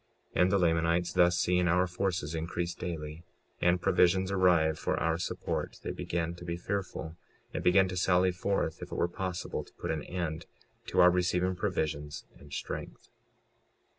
56:29 And the Lamanites, thus seeing our forces increase daily, and provisions arrive for our support, they began to be fearful, and began to sally forth, if it were possible to put an end to our receiving provisions and strength.